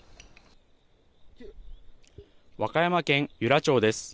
和歌山県由良町です。